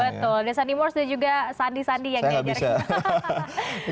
betul dan sandi mors dan juga sandi sandi yang diajarkan